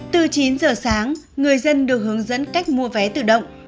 từ chín giờ sáng người dân được hướng dẫn cách mua vé tự động